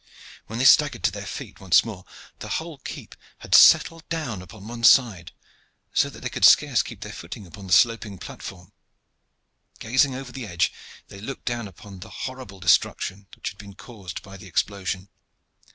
When they staggered to their feet once more, the whole keep had settled down upon one side, so that they could scarce keep their footing upon the sloping platform. Gazing over the edge, they looked down upon the horrible destruction which had been caused by the explosion.